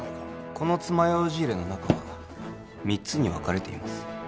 この爪楊枝入れの中は３つに分かれています